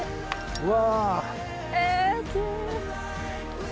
うわ。